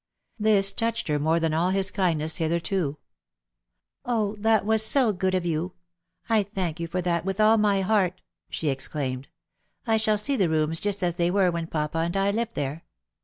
This touched her more than all his kindness hitherto. " 0, that was so good of you. I thank you for that irith all my heart," she exclaimed. " I shall see the rooms just as they were when papa and I lived there.